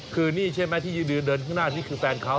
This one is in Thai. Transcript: คือนี่ใช่ไหมที่ยืนเดินข้างหน้านี่คือแฟนเขา